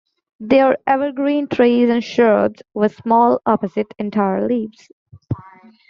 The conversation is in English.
They are evergreen trees and shrubs, with small, opposite, entire leaves.